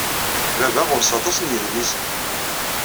Baba ɣur-s aṭas n yedlisen.